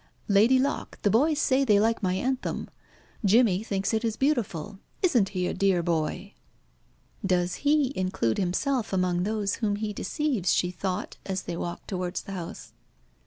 Lady Locke, the boys say they like my anthem. Jimmy thinks it is beautiful. Isn't he a dear boy?" "Does he include himself among those whom he deceives?" she thought, as they walked towards the house.